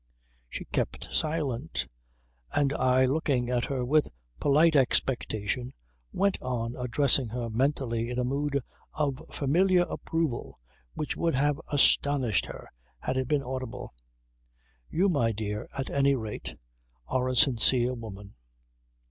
She kept silent; and I looking at her with polite expectation, went on addressing her mentally in a mood of familiar approval which would have astonished her had it been audible: You my dear at any rate are a sincere woman